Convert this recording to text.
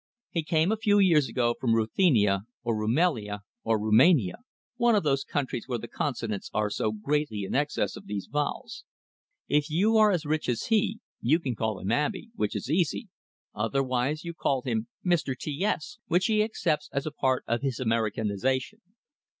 He came a few years ago from Ruthenia, or Rumelia, or Roumania one of those countries where the consonants are so greatly in excess of the vowels. If you are as rich as he, you call him Abey, which is easy; otherwise, you call him Mr. T S, which he accepts as a part of his Americanization.